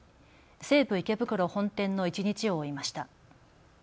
西武池袋本店の一日を追いました。